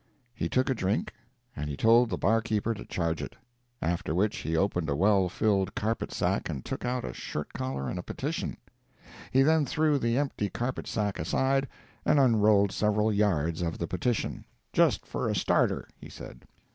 ] We took a drink, and he told the bar keeper to charge it. After which, he opened a well filled carpet sack and took out a shirt collar and a petition. He then threw the empty carpet sack aside and unrolled several yards of the petition—"just for a starter," he said.